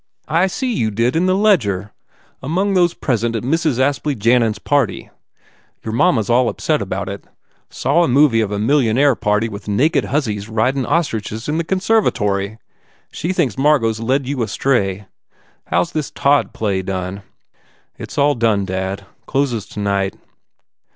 "I see you did in the Ledger. Among those present at the Apsley Jannan s party. Your mamma s all upset about it. Saw a movie of a millionaire party with naked hussies ridin ostriches in the conserv tory. She thinks Mar got s led you astray. How s this Tod play done?" "It s all done, dad. Closes tonight."